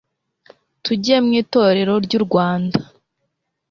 tujye mwitorero ryurwanda